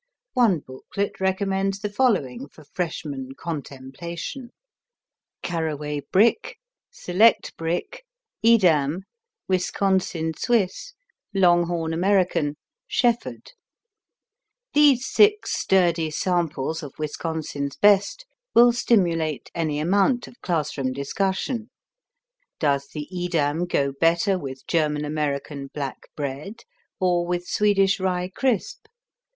One booklet recommends the following for freshman contemplation: CARAWAY BRICK SELECT BRICK EDAM WISCONSIN SWISS LONGHORN AMERICAN SHEFFORD These six sturdy samples of Wisconsin's best will stimulate any amount of classroom discussion. Does the Edam go better with German American black bread or with Swedish Ry Krisp?